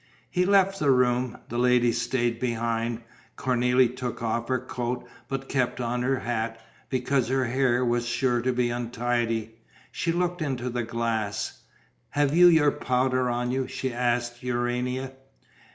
He left the room. The ladies stayed behind. Cornélie took off her coat, but kept on her hat, because her hair was sure to be untidy. She looked into the glass: "Have you your powder on you?" she asked Urania.